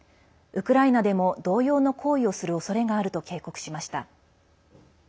ウクライナでも同様の行為をするおそれがあると警告しました。